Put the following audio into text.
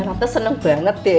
nanti seneng banget deh